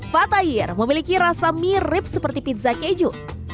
fatayir memiliki rasa mirip seperti pizza keju